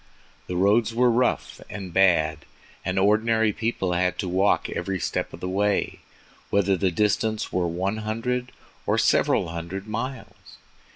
The roads were rough and bad, and ordinary people had to walk every step of the way, whether the distance were one hundred or several hundred miles.